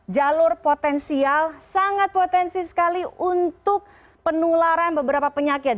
jalur potensial sangat potensi sekali untuk penularan beberapa penyakit